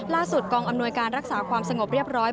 กองอำนวยการรักษาความสงบเรียบร้อย